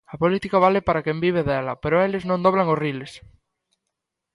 A política vale para quen vive dela, pero eles non dobran os riles.